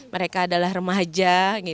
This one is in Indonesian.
mereka adalah remaja